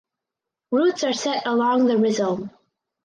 Roots are set along the rhizome.